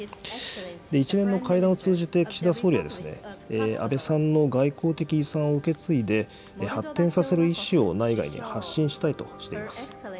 一連の会談を通じて、岸田総理は安倍さんの外交的遺産を受け継いで、発展させる意思を内外に発信したいとしています。